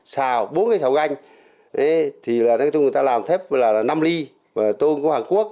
xào bốn cái xào ganh thì là người ta làm thêm năm ly tô của hàn quốc